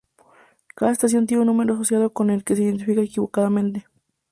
Cada estación tiene un número asociado por el que es identificada unívocamente.